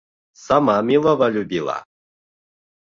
Сама милого любила